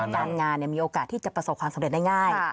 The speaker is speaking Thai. การงานมีโอกาสที่จะประสบความสำเร็จได้ง่าย